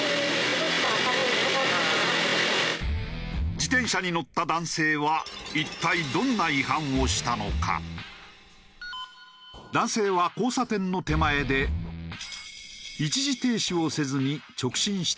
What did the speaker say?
自転車に乗った男性は一体男性は交差点の手前で一時停止をせずに直進したという。